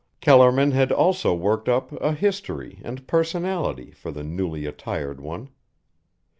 Kellerman had also worked up a history and personality for the newly attired one.